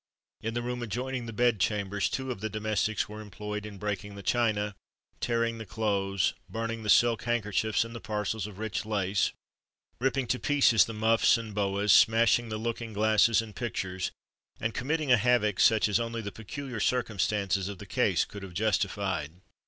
In the room adjoining the bed chamber, two of the domestics were employed in breaking the china, tearing the clothes, burning the silk handkerchiefs and the parcels of rich lace, ripping to pieces the muffs and boas, smashing the looking glasses and pictures, and committing a havoc such as only the peculiar circumstances of the case could have justified.